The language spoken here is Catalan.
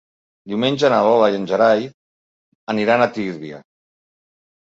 Diumenge na Lola i en Gerai aniran a Tírvia.